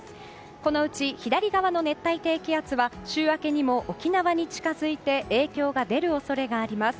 このうち左側の熱帯低気圧は週明けにも沖縄に近づいて影響が出る恐れがあります。